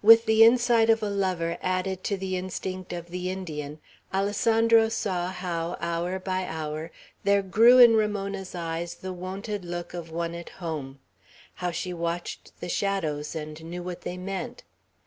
With the insight of a lover added to the instinct of the Indian, Alessandro saw how, hour by hour, there grew in Ramona's eyes the wonted look of one at home; how she watched the shadows, and knew what they meant.